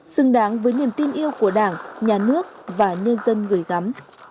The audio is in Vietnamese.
xứng đáng với niềm tin yêu của đảng nhà nước và nhân dân gửi gắm